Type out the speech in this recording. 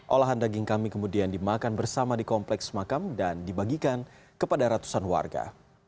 olahan daging kami kemudian dimakan bersama di kompleks makam dan dibagikan kepada ratusan warga